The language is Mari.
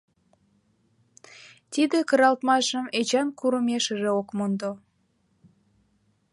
Тиде кыралтмашым Эчан курымешыже ок мондо.